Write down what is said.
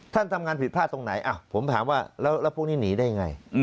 ท่านทำงานผิดพลาดผมจะถามว่านี้พวกนี้หนีได้ยังไง